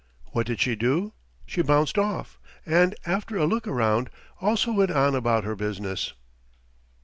What did she do? She bounced off, and, after a look around, also went on about her business.